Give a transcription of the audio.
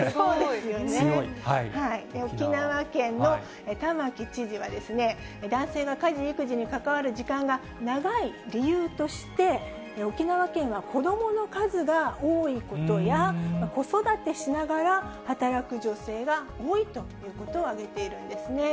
沖縄県の玉城知事は、男性が家事・育児に関わる時間が長い理由として、沖縄県は子どもの数が多いことや、子育てしながら働く女性が多いということを挙げているんですね。